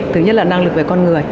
thứ nhất là năng lực về quốc tế